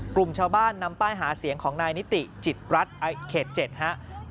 กลุ่มชาวบ้านนำป้ายหาเสียงของนายนิติจิตรัฐเขต๗ครับ